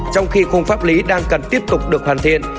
trong khi khung pháp lý đang cần tiếp tục được hoàn thiện